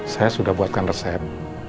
saya sudah buatkan resep